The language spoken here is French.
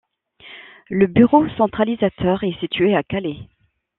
Le bureau centralisateur est situé à Calais.